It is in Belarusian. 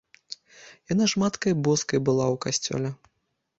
Яна ж маткай боскай была ў касцёле.